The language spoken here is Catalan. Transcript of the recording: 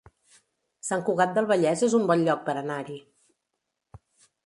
Sant Cugat del Vallès es un bon lloc per anar-hi